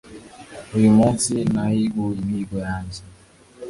Uyu munsi nahiguye imihigo yanjye